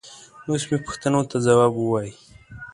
اوس مې پوښتنو ته ځواب وايي.